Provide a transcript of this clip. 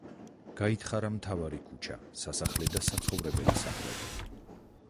გაითხარა მთავარი ქუჩა, სასახლე და საცხოვრებელი სახლები.